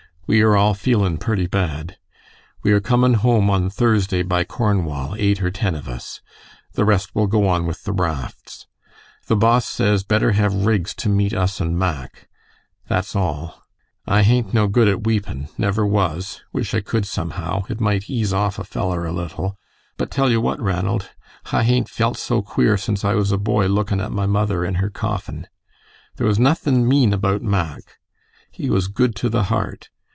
We are all feelin purty bad. We are comin' home on Thursday by Cornwall, eight or ten of us. The rest will go on with the rafts. The Boss says, better have rigs to meet us and Mack. That's all. I haint no good at weepin', never was, wish I cud somehow, it might ease off a feller a little, but tell you what, Ranald, I haint felt so queer since I was a boy lookin at my mother in her coffin. There was nothin mean about Mack. He was good to the heart.